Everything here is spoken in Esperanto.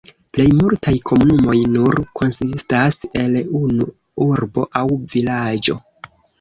Plejmultaj komunumoj nur konsistas el unu urbo aŭ vilaĝo.